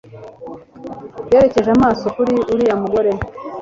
Yerekeje amaso kuri uriya mugore